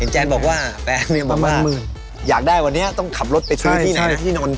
แจนบอกว่าแฟนบอกว่าอยากได้วันนี้ต้องขับรถไปซื้อที่ไหน